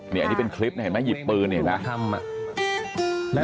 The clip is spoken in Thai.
อันนี้เป็นคลิปนะเห็นไหมหยิบปืนอีกแล้ว